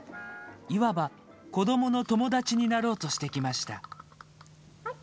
いわば、子どもの友達になろうとしてきました。